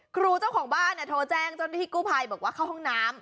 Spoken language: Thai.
ครูเจ้าของบ้านโทรแจ้งจนที่กุภัยบอกว่าเข้ายองน้ำ